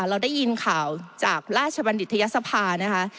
เราได้ยินข่าวจากราชบัณฑิตยศภานะคะ